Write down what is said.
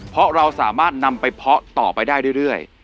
เพราะเราสามารถนำไปเพาะต่อไปได้เรื่อย